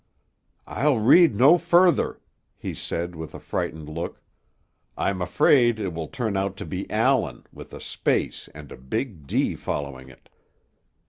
"I'll read no further," he said, with a frightened look. "I'm afraid it will turn out to be Allan, with a space and a big 'D' following it."